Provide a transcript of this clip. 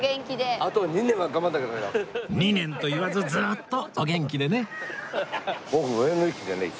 ２年と言わずずーっとお元気でね